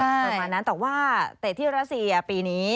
ประมาณนั้นแต่ว่าเตะที่รัสเซียปีนี้